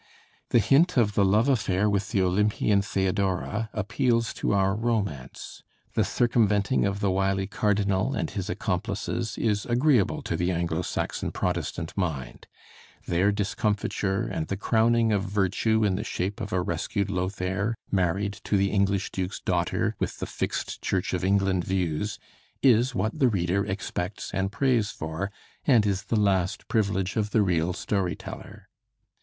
The hint of the love affair with the Olympian Theodora appeals to our romance; the circumventing of the wily Cardinal and his accomplices is agreeable to the Anglo Saxon Protestant mind; their discomfiture, and the crowning of virtue in the shape of a rescued Lothair married to the English Duke's daughter with the fixed Church of England views, is what the reader expects and prays for, and is the last privilege of the real story teller.